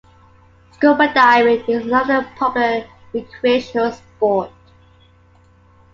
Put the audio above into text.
Scuba diving is another popular recreational sport.